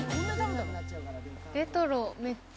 レトロ、めっちゃ。